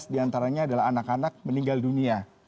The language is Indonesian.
empat belas diantaranya adalah anak anak meninggal dunia